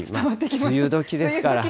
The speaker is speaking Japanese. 梅雨どきですから。